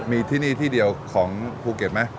มีที่นี่ที่เดียวของภูเก็ตไหม